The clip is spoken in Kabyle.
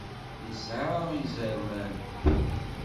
Isεa izerman.